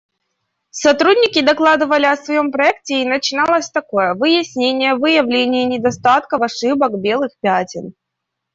Сотрудники докладывали о своем проекте, и начиналось такое: выяснения, выявление недостатков, ошибок, белых пятен.